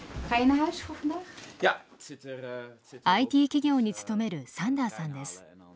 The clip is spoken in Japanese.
ＩＴ企業に勤めるサンダーさんです。